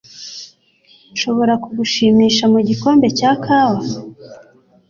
Nshobora kugushimisha mugikombe cya kawa?